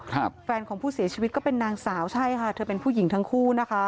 แฟนของผู้เสียชีวิตก็เป็นนางสาวใช่ค่ะเธอเป็นผู้หญิงทั้งคู่นะคะ